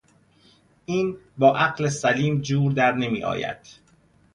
این با عقل سلیم جور در نمیآید.